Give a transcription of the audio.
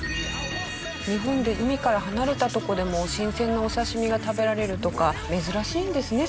日本で海から離れた所でも新鮮なお刺身が食べられるとか珍しいんですね